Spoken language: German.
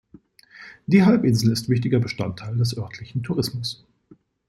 Die Halbinsel ist wichtiger Bestandteil des örtlichen Tourismus.